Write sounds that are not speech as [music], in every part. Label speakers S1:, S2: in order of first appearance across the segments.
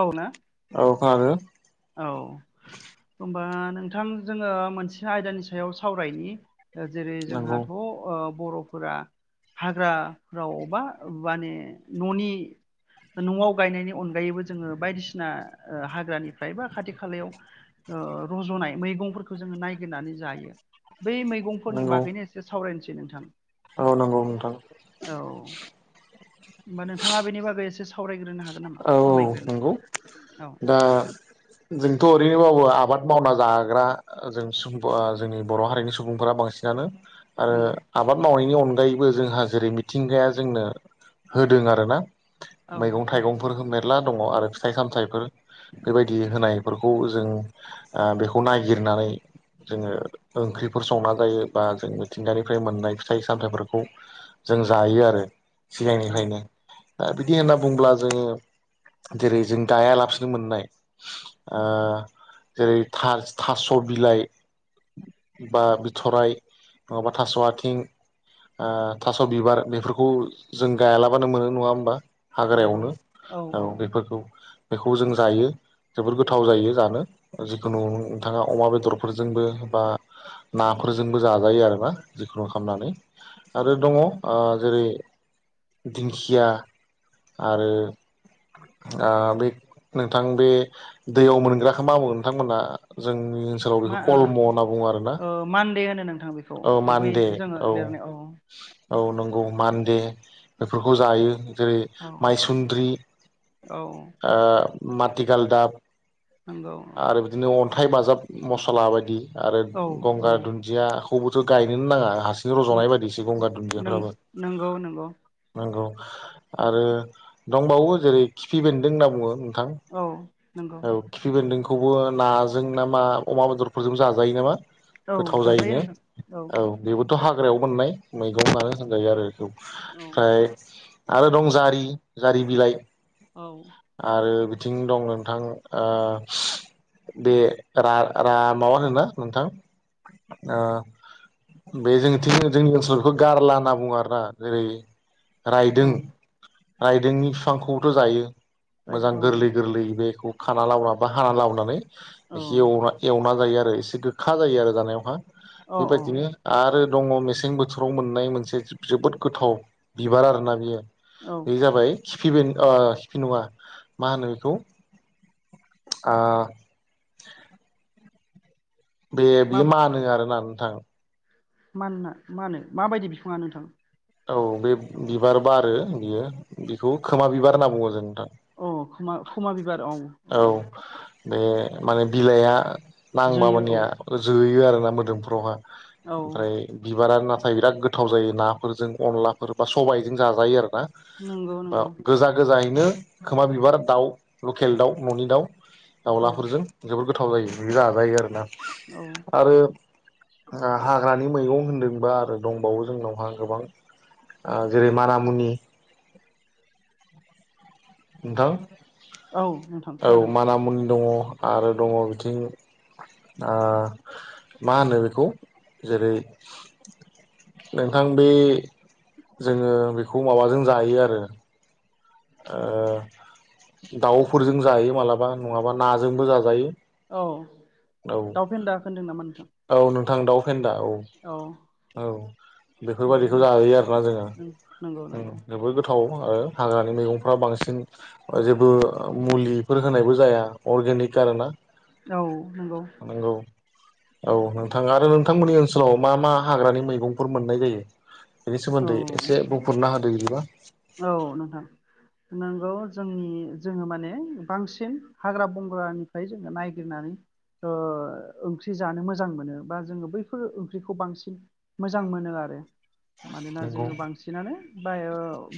S1: औ ना
S2: आरो
S1: औ होनबा नोंथां जोङो मोनसे आयदानि सायाव सावरायनि। जेरै
S2: नंगौ
S1: जोंहाथ' बर'फोरा हाग्राफ्राव बा माने न'नि न'आव गायनायनि अनगायैबो जोङो बायदिसिना हाग्रानि फ्रायबा खाथि खालायाव रज'नाय मैगंफोरखौ जोङो नायगिरनानै जायो। बै मैगंफोरनि
S2: नंगौ
S1: बागैनो एसे सावरायनोसै नोंथां।
S2: औ नंगौ नोंथां।
S1: औ होमबा नोंथाङा बेनि बागै एसे सावराय।
S2: औ औ नंगौ
S1: औ
S2: दा। जोंथ' ओरैनो मावो आबाद मावना जाग्रा जों जोंनि बर' हारिनि सुबुंफोरा। बांसिनानो आरो
S1: नंगौ
S2: आबाद मावनायनि अनगायै। अनगायैबो जोंहा जेरै मिथिंगाया जोंनो होदों आरो ना।
S1: औ।
S2: मेरला दङ आरो फिथाइ सामथफोर बेबायदि होनाय जों बेनो। नायागिरनानै। जोङो ओंख्रिफोर संना जायो बा जों मिथिंगानिफ्राय मोननाय फिथाइ सामथाइफोरखौ। जों जायो आरो
S1: औ
S2: सिगांनिफ्रायनो दा बिदि होनना बुंङोब्ला जोङो। जेरै जों गाया लाबासिनो मोननाय जेरै थास' बिलाइ बा बिथराय नङाबा थास' आथिं थास' बिबार बेफोरखौ जों गायालाबानो मोनो नङा होनबा?
S1: नंगौ।
S2: औ बेफोरखौ बेखौ जों जायो जोबोद गोथाव जायो जानो जिखुनु नोंथाङा अमा बेदरफोरजोंबो। बा नाफोरजोंबो जाजायो आरोना जिखुनु खालामनानै आरो दङ जेरै दिंखिया आरो।
S1: [inaudible]
S2: बे नोंथां बे दैयाव मोनग्राखौ मा बो नोंथांमोनहा जों। आंनि ओनसोलाव
S1: मा
S2: बेखौ
S1: ओ
S2: कल्म होनना बुङो आरोना।
S1: ओ मानदे होनो नोंथां बेखौ
S2: औ
S1: गुबै
S2: मानडे
S1: जोङो
S2: औ
S1: लिरनाय
S2: औ नंगौ मानडे। बेफोरखौ जायो जेरै
S1: औ
S2: माइसुन्द्रि
S1: औ
S2: आटिकाल दाब
S1: नंगौ
S2: आरो बिदिनो अन्थाइ बाजाब मसला बायदि आरो
S1: औ औ
S2: गंगार दुन्दिया। खौबोथ' गायनोना नाङा हारसिं रज'नाय बायदिसो गंगार
S1: नों
S2: दुन्दियाफ्राबो
S1: नंगौ नंगौ
S2: नंगौ। आरो दंबावो जेरै खिफि बेन्दों होनना बुङो
S1: औ नंगौ।
S2: खौबो नाजों ना मा अमा बेदरफोरजों जाजायो नामा
S1: औ
S2: गोथाव
S1: जाजायो
S2: जायोनो
S1: नोंथां
S2: औ बेबो थ' हाग्रायाव मोननाय मैगंफ्रानो होनजायो आरो बेखौ
S1: औ
S2: ओमफ्राय। आरो दं जारि जारि बिलाइ
S1: औ
S2: आरो बि बिथिं दं नोंथां। बे माबा होनो ना नोंथां। औ। बे जोंथिं जोंनि ओनसोल बेखौ गारला होनना बुङो आरोना जेरै
S1: औ
S2: रायदों रायदोंनि बिफांखौबोथ' जायो
S1: बायदि
S2: मोजां
S1: औ
S2: गोरलै गोरलै बेखौ। खाना लाबोना बा हाना लाबोनानै
S1: औ
S2: एव एवना जायो आरो एसे गोखा जायो आरो जानायावहा।
S1: औ औ
S2: बेबायदिनो आरो दङ मेसें बोथोराव मोननाय मोनसे जोबोद गोथाव बिबार आरोना बियो।
S1: औ
S2: बे जाबाय सिफि बे सिफि नङा मा होनो बेखौ। आ। बे
S1: मा
S2: बेयो मानो आरोना नोंथां।
S1: मा मानो माबायदि बिफाङा नोंथां।
S2: औ बे बिबार बारो बियो बेखौ खोमा बिबार होनना बुङो जों नोंथां।
S1: औ खोमा खुमा बिबार औ औ औ
S2: बे माने बिलाइआ नांबा
S1: जोयो औ
S2: मानिया जोयो आरोना मोदोमफ्रावहा
S1: औ
S2: ओमफ्राय बिबारा नाथाय बिराद गोथाव जायो नाफोरजों अनलाफोर बा सबायजों जाजायो आरोना
S1: नंगौ
S2: बा
S1: नंगौ
S2: गोजा गोजायै बिदिनो खोमा बिबार दाउ लकेल दाउ न'नि दाउ
S1: औ
S2: दाउलाफोरजों जोबोद गोथा गोथाव जायो बि जाजायो आरोना
S1: औ
S2: आरो हाग्रानि मैगं होनदोंबा आरो दंबावो जोंनावहा गोबां जेरै मानामुनि नोंथां।
S1: औ नोंथां
S2: औ
S1: खोनादों
S2: मानामुनि दङ आरो दङ बिथिं मा होनो बेखौ जेरै नोंथां बे जोङो बेखौ माबाजों जायो आरो दाउफोरजों जायो मालाबा नङाबा नाजोंबो जाजायो
S1: औ
S2: औ
S1: दाउ फेन्दा होनदों नामा नोंथां।
S2: औ नोंथां दाउ फेन्दा औ औ
S1: बेबो
S2: बेफोरबायदिखौ
S1: मोनसे
S2: जायो आरोना
S1: नंगौ
S2: जोङो
S1: नंगौ
S2: जोबोद गोथाव आरो हाग्रानि मैगंफ्रा बांसिन जेबो मुलिफोर होनायबो जाया अर्गेनिक खा आरोना
S1: औ नंगौ।
S2: नंगौ औ नोंथां आरो नोंथांमोननि ओनसोलाव मा मा हाग्रानि मैगंफोर मोननाय जायो। बेनि
S1: औ
S2: सोमोन्दै एसे बुंफोरना होदो बिदिबा
S1: नोंगौ जोंनि जोङो माने बांसिन हाग्रा बंग्रानिफ्राय जोङो नायगिरनानै ओ ओंख्रि जानो मोजां मोनो बा जोङो बैफोर ओंख्रिखौ बांसिन मोजां मोनो आरो मानोना
S2: नंगौ
S1: जोङो बांसिनानो बा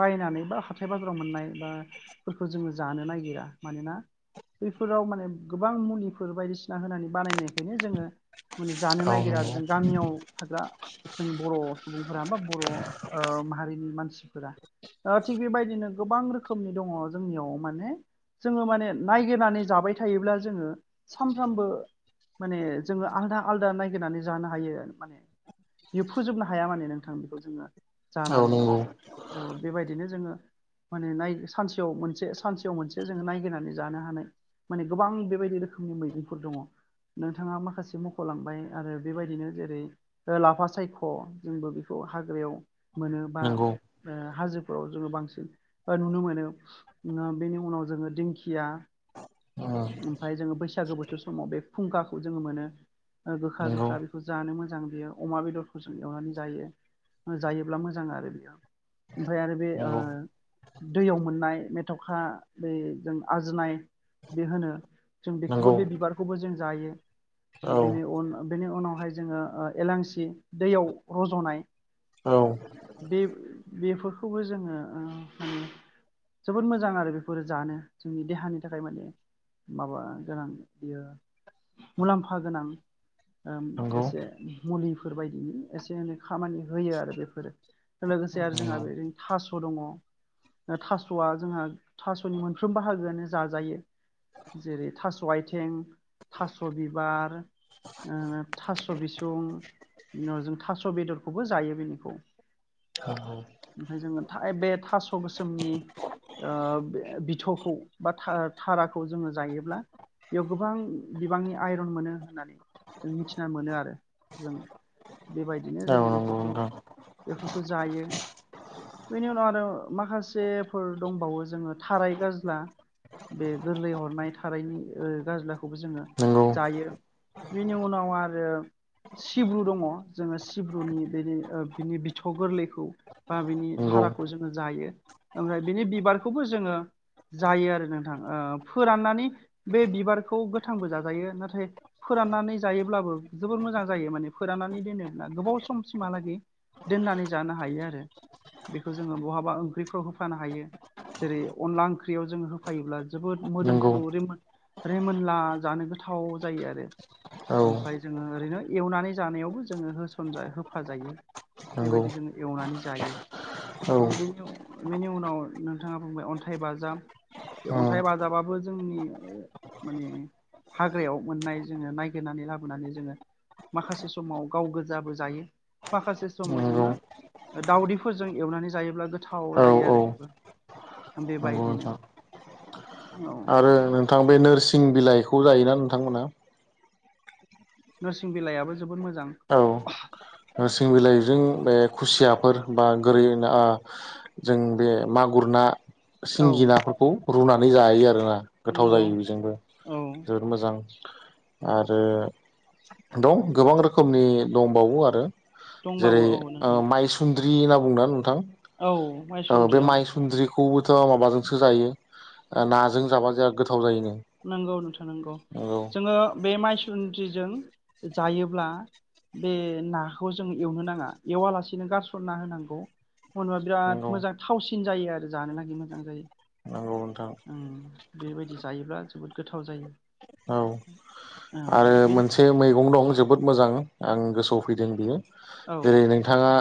S1: बायनानै बा हाब थाइ बाजाराव मोननाय बाफोरखौ जोङो जानो नागिरा मानोना बैफोराव माने गोबां मुलिफोर बायदिसिना होनानै बानायनायखायनो जोङो माने जानो
S2: औ
S1: नागिरा
S2: नंगौ
S1: जों गामियाव थाग्रा जों बर' सुबुंफोरा बा बर' ओ माहारिनि मानसिफोरा ओ थिग बेबायदिनो गोबां रोखोमनि दङ जोंनियाव माने जोङो माने नायगिरनानै जाबाय थायोब्ला जोङो सानफ्रामबो माने जोङो आलदा आलदा नायगिरनानै जानो हायो माने बियो फोजोबनो हाया माने नोंथां बेखौ जोङो जानानै औ बेबायदिनो जोङो माने सानसेयाव मोनसे सानसेयाव मोनसे जोङो नायगिरनानै जानो हानाय माने गोबां बेबाय यदि रोखोमनि मैगंफोर दङ नोंथाङा माखासे मख'लांबाय आरो बेबायदिनो जेरै लाफा सायख' जोंबो बे खौ हाग्रायाव मोनो बा ओ हाजो फोराव जोङो बांसिन ओ नुनो मोनो बेनि उनाव जोङो दिंखिया
S2: औ
S1: ओमफ्राय जोङो बैसागो बोथोर समाव बे खुंखाखौ जोङो मोनो। गोखा
S2: नंगौ
S1: गोखा बेखौ जानो मोजां बियो अमा बेदरखौ जों एवनानै जायो। जायोब्ला मोजां आरो बियो ओमफ्राय आरो बे ओ दैयाव मोननाय मेथाखा बे जों आजिनाय जे होनो जों बेखौबो बे
S2: नंगौ
S1: बिबारखौबो जों जायो बेनि
S2: ओम
S1: उन बेनि उनावहाय जोङो ओ एलांसि दैयाव रज'नाय बे बेफोरखौबो जोङो ओ माने जोबोद मोजां आरो बेफोरो जानो जोंनि देहानि थाखाय माने माबा गोनां बियो मुलामफा गोनां ओम
S2: नंगौ
S1: एसे मुलिफोर बायदिनि एसे एनै खामानि होयो आरो बेफोरो
S2: नंगौ
S1: बो दङ थास'या जोंहा थास'नि मोनफ्रोमबो हागोयानो जाजायो। जेरै थास' आयथिं थास' बिबार ओ थास' बिसुं बिनि उनाव जों थास' बेदरखौबो जायो बेनिखौ
S2: [unintelligible]
S1: ओमफ्राय जोङो थाइ बे थास' गोसोमनि ओ बिथ'खौ बा थारा थाराखौ जोङो जायोब्ला बेयाव गोबां बिबांनि आइरन मोनो होननानै जों मिथिना मोनो आरो जों बेबायदिनो
S2: औ
S1: जोङो बेफोरखौ बेफोर जायो। बेनि उनाव आरो माखासेफोर दंबावो जोङो थाराय गाज्ला। बे गोरलै हरनाय थारैनि ओ गाज्लाखौबो जोङो
S2: नंगौ
S1: जायो। बेनि उनाव आरो सिब्रु दङ जोङो सिब्रुनि बेनि ओ बिनि बिथ' गोरलैखौ बा बिनि
S2: नंगौ
S1: थाराखौ जोङो जायो। ओमफ्राय बिनि बिबारखौबो जोङो जायो आरो नोंथां ओ फोराननानै बे बिबारखौ गोथांबो जाजायो नाथाय फो राननानै जायोब्लाबो जोबोर मोजां जायो माने फोराननानै दोनोब्ला गोबाव सम सिमहालागै दोननानै जानो हायो आरो बेखौ जोङो बहाबा ओंख्रिफ्राव होफानो हायो। जेरै अनला ओंख्रियाव जोङो होफायोब्ला जोबोद
S2: नंगौ
S1: मोदोमफ्रु रिमोन रेमोनला जानो गोथाव जायो आरो
S2: औ नंगौ नोंथां नंगौ औ
S1: ओमफ्राय जोङो ओरैनो एवनानै जानायावबो जोङो होसन जा होफाजायो
S2: नंगौ
S1: बेबायदि जो एवनानै जायो। ओ
S2: औ
S1: बेनि बेनि उनाव नोंथाङा बुंबाय अनथाइ बाजाब। बे अनथाइ
S2: ओम
S1: बाजाबाबो जोंनि माने हाग्रायाव मोननाय जोङो नायगिरनानै लाबोनानै जोङो माखासे समाव गाव गोजाबो जायो माखासे समाव
S2: नंगौ
S1: जोङो दाउदैफोरजों एवनानै जायोब्ला गोथाव जायो
S2: औ
S1: आरो
S2: औ
S1: बेबो।
S2: नंगौ
S1: बेबायदिनो
S2: नोंथां
S1: औ
S2: आरो नोंथां बे नोरसिं बिलाइखौ जायोना नोंथांमोना।
S1: नोरसिं बिलाइयाबो जोबोद मोजां।
S2: औ नोरसिं बिलाइजों बे खुसियाफोर बा गोरै ना जों बे मागुर ना
S1: औ
S2: सिंगि नाफोरखौ रुनानै जायो आरोना गोथाव
S1: नंगौ
S2: जायो बेजोंबो।
S1: औ
S2: जोबोद मोजां। आरो दं गोबां रोखोमनि दंबावो आरो जेरै
S1: दंबावो औ नोंथां
S2: ओ माइसुन्द्रि होनना बुङो नोंथां।
S1: औ
S2: औ बे
S1: माइसुन्द्रियाव
S2: माइ सुन्द्रिखौबोथ' माबाजोंसो जायो नाजों जाबा जों गोथाव जायो नो।
S1: नंगौ नोंथां नंगौ जोङो बे माइसुन्द्रिजों जायोब्ला। बे नाखौ जों एवनो नाङा एवालासेनो गारसनना होनांगौ। [unintelligible] बिराद
S2: नंगौ
S1: मोजां थावसिन जायो आरो जानो लागै मोजां जायो।
S2: नंगौ नोंथां
S1: ओम बेबायदि जायोब्ला जोबोद गोथाव जायो।
S2: औ
S1: औ
S2: आरो
S1: बे
S2: मोनसे मैगं दं जोबोद मोजां आं गोसोआव फैदों बियो
S1: औ
S2: जेरै नोंथाङा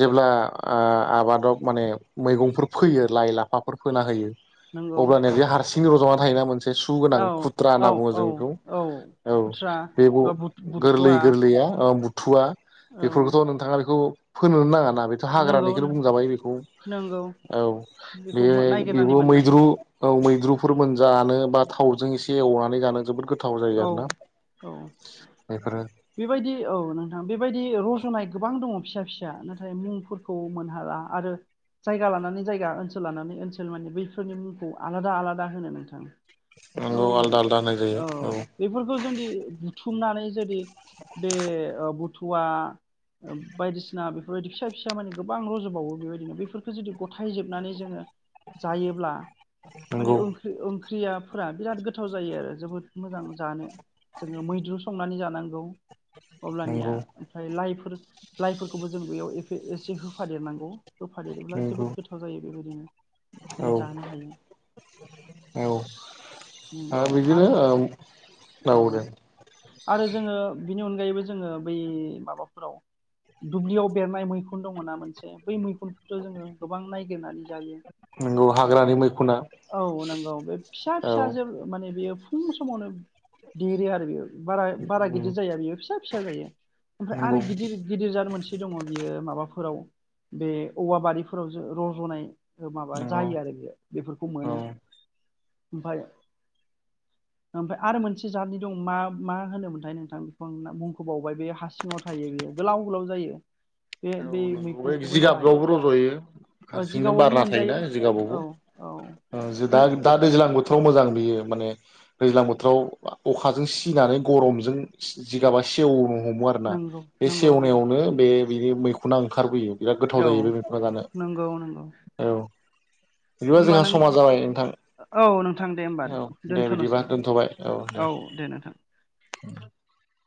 S2: जेब्ला ओ आबादाव माने मैगंफोर फोयो लाइ लाफाफोर फोना होयो।
S1: नंगौ
S2: अब्लानो बे हारसिं रज'नानै थायोना मोनसे सुगोनां
S1: औ
S2: खुथ्रा होनना
S1: औ
S2: बुङो जों
S1: औ
S2: बेखौ।
S1: औ
S2: औ
S1: खुथ्रा
S2: बे
S1: एबा
S2: गोरलै
S1: बुथुवा
S2: गोरलैया बुथुवा
S1: औ
S2: बेफोरखौथ' नोंथाङा बेखौ फोनो नाङा ना बेथ'
S1: नंगौ
S2: हाग्रानिखौनो बुंजाबाय बेखौ
S1: नंगौ
S2: औ
S1: बेखौ
S2: बे
S1: नायगिरनानै
S2: बेबो
S1: मोननाय
S2: मैद्रु। औ मैद्रुफोर मोन जानो बा थावजों एसे एवनानै जानो जोबोद गोथाव जायो
S1: औ
S2: आरो ना
S1: औ बेबायदि औ नोंथां बेबायदि रज'नाय गोबां दङ फिसा फिसा नाथाय मुंफोरखौ मोनहाला आरो जायगा लानानै जायगा ओनसोल लानानै ओनसोल माने बैफोरनि मुंखौ आलादा आलादा होनो नोंथां औ
S2: नोंगौ आलदा आलदा होनाय
S1: औ बेफोरखौ जोंदि बुथुमनानै जुदि बे ओ बुथुवा बायदिसिना बेफोरबायदि फिसा फिसा माने गोबां रज'बावो बेबायदिनो बेफोरफोरखौ जुदि ग थाइ जोबनानै जोङो जायोब्ला
S2: नंगौ
S1: माने ओंख्रि ओं ख्रियाफोरा बिराद गोथाव जायो आरो जोबोद मोजां जानो जोङो मैद्रु संनानै जानांगौ अब्लानिया
S2: नंगौ
S1: ओमफ्राय लाइफोर लाइफोरखौबो जों बेयाव एफे एसे होफादेरनांगौ होफा देरोब्ला
S2: नंगौ
S1: जोबोद गोथाव जायो बेबायदिनो
S2: औ
S1: जों जानो हायो
S2: औ
S1: उम
S2: हो
S1: औ
S2: बिदिनो
S1: आरो
S2: ओम औ दे
S1: आरो जोङो बिनि अनगायैबो जोङो बै माबाफोराव दुब्लियाव बेरनाय मैखुन दङना मोनसे बै मैखुनखौथ' जोङो गोबां नायगिरनानै जायो
S2: नंगौ हाग्रानि मैखुना
S1: औ नंगौ बे फिसा
S2: औ
S1: फिसा जोब माने बेयो फुं समावनो देरो आरो बेयो बारा बारा गिदिर जाया बेयो फिसा फिसा जायो ओमफ्राय
S2: नंगौ
S1: आरो
S2: नंगौ
S1: गिदिर गिदिर जार मोनसे दङ बियो माबाफोराव बे औवा बारिफोराव जो रज'नाय माबा
S2: औ
S1: जायो आरो बेयो बेफोरखौ मोनो ओमफाय ओमफ्राय आरो मोनसे जातनि दं मा मा होनोमोनथाय नोंथां बेखौ आं मुंखबावबाय बे हा सिङाव थायो बेयो गोलाव गोलाव जायो बे
S2: औ
S1: बे
S2: नंगौ बे
S1: मैखुनखौबो जायो
S2: जिगाबावबो रज'यो
S1: ओ
S2: हारसिंनो
S1: जिगाबावबो
S2: बारना थायोना
S1: मोनजायो नोंथां।
S2: जिगाबावबो
S1: औ औ
S2: दा
S1: जों
S2: दा दैज्लां बोथोर जोबोद मोजां बियो माने दैज्लां बोथोराव अखाजों सिनानै गरमजों जिगाबा सेवनो हमो आरो ना
S1: नंगौ
S2: बे
S1: नंगौ नंगौ
S2: सेवनायावनो बे बिनि मैखुना ओंखारबोयो बिराद गोथाव
S1: औ
S2: जायो बे मैखुना जानो
S1: नंगौ नंगौ
S2: औ बिदिबा
S1: होमबा
S2: जोंहा
S1: नों
S2: समा जाबाय
S1: औ दे होमबा
S2: नोंथां औ दे बिदिबा
S1: दोनथ'नोसै
S2: दोनथ'बाय औ दे